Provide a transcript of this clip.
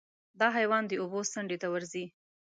دا حیوان د اوبو څنډې ته ورځي.